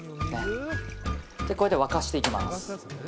これで沸かしていきます。